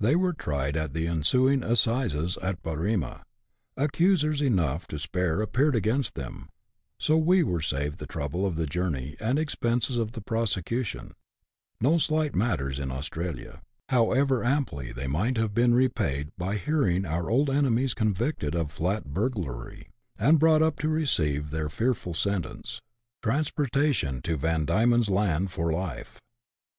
They were tried at the ensuing assizes at Berrima ; accusers enough and to spare appeared against them, so we were saved the trouble of the journey and expenses of the prosecution — no slight matters in Australia, however amply they might have been repaid by hearing our old enemies convicted of " flat burglary," and brought up to receive their fearful sentence, transportation to Van Diemen's Land for life.